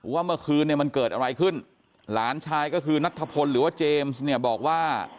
ว่าเมื่อคืนเนี่ยมันเกิดอะไรขึ้นหลานชายก็คือนัทธพลหรือว่าเจมส์เนี่ยบอกว่า